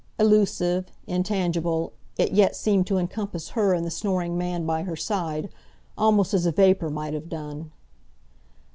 Elusive, intangible, it yet seemed to encompass her and the snoring man by her side, almost as a vapour might have done.